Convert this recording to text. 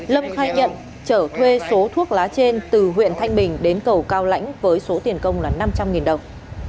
lâm khai nhận trở thuê số thuốc lá trên từ huyện thanh bình đến cầu cao lãnh với số tiền công là năm trăm linh đồng